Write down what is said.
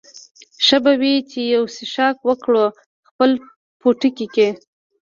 ښه به وي چې یو څښاک وکړو، خپل پوټکی یې.